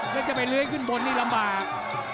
แล้วจะไปเลื้อยขึ้นบนนี่ลำบาก